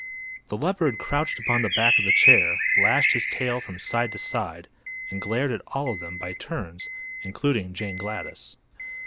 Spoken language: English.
The leopard crouched upon the back of the chair, lashed his tail from side to side and glared at all of them, by turns, including Jane Gladys.